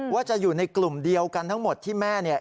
ว่าจะอยู่ในกลุ่มเดียวกันทั้งหมดที่แม่เนี่ย